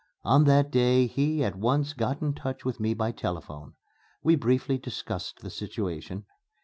On that day he at once got in touch with me by telephone. We briefly discussed the situation.